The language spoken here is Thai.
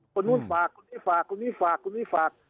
คนนู้นฝากคนนี้ฝากคนนี้ฝากคนนี้ฝาก